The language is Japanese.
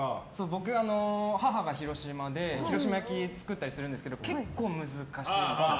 僕、母が広島で広島焼き作ったりするんですけど結構、難しいんですよ。